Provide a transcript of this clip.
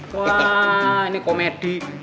wah ini komedi